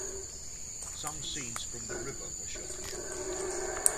Some scenes from "The River" were shot here.